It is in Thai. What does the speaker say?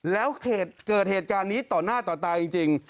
แล้วเกิดเหตุการณ์นี้ต่อหน้าต่อตาจริง